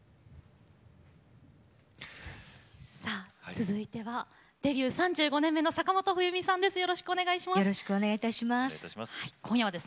続いてはデビュー３５年目の坂本冬美さんです。